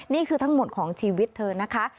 นี่คือทั้งหมดของชีวิตเธอนะคะ